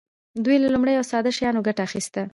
دوی له لومړنیو او ساده شیانو ګټه اخیسته.